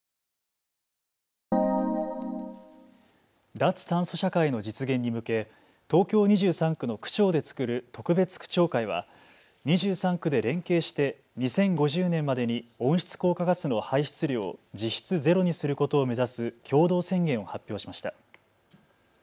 脱炭素社会の実現に向け東京２３区の区長で作る特別区長会は２３区で連携して２０５０年までに温室効果ガスの排出量を実質ゼロにすることを目指す共同宣言を発表しました。